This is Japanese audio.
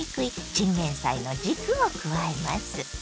チンゲンサイの軸を加えます。